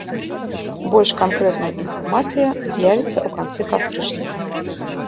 Больш канкрэтная інфармацыя з'явіцца ў канцы кастрычніка.